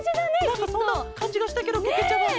なんかそんなかんじがしたケロけけちゃまも！